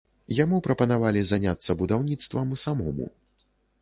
Яму прапанавалі заняцца будаўніцтвам самому.